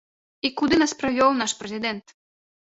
І куды нас прывёў наш прэзідэнт?